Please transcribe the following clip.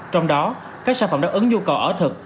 trong đó các sản phẩm đáp ứng nhu cầu ở thực